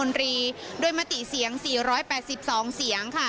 เลิกเสียง๔๘๒เสียง